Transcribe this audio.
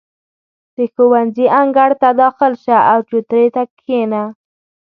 • د ښوونځي انګړ ته داخل شه، او چوترې ته کښېنه.